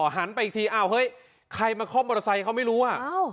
หันไปอีกทีอ้าวเฮ้ยใครมาคล่อมมอเตอร์ไซค์เขาไม่รู้อ่ะ